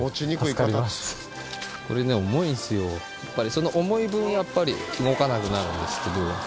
その重い分やっぱり動かなくなるんですけど。